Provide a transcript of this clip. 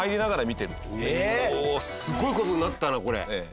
すごい事になったなこれ。